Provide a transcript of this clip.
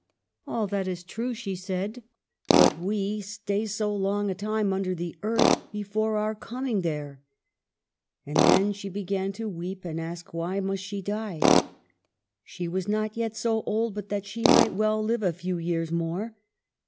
" All that is true !" she said, " but we stay so long a time under the earth before our coming there !" And then she began to weep and ask why must she die ; she was not yet so old but that she might well live a few years more.